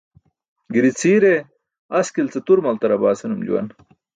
Giri cʰiire "askil ce tur maltarabaa" senum juwan.